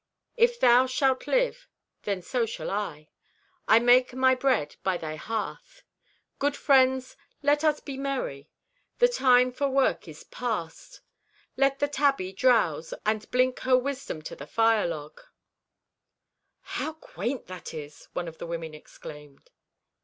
If thou shalt live, then so shall I. I make my bread by thy hearth. Good friends, let us be merrie. The time for work is past. Let the tabbie drowse and blink her wisdom to the firelog." "How quaint that is!" one of the women exclaimed.